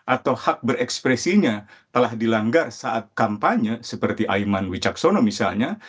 atau hak berekspresinya telah dilanggar saat kampanye seperti aiman wicaksono misalnya